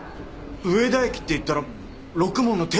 上田駅っていったらろくもんの停車駅だ。